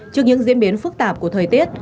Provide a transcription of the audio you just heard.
trước những diễn biến phức tạp của thời tiết